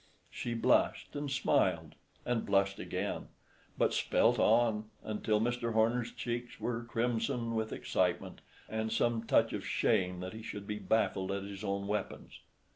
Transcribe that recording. She blushed, and smiled, and blushed again, but spelt on, until Mr. Horner's cheeks were crimson with excitement and some touch of shame that he should be baffled at his own weapons.